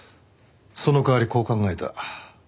その代わりこう考えた。